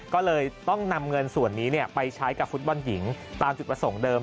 ก็เลยต้องนำเงินส่วนนี้ไปใช้กับฟุตบอลหญิงตามจุดประสงค์เดิม